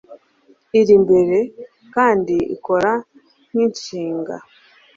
iri imbere kandi ikora nkinshinga